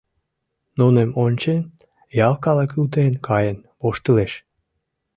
Нуным ончен, ял калык утен каен воштылеш.